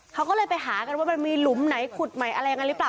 เขาก็เลยไปหากันว่ามีหลุมไหนขุดอะไรอย่างนั้นหรือเปล่า